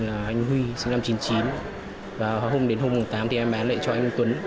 anh huy sinh năm chín mươi chín và hôm đến hôm tám thì em bán lại cho anh tuấn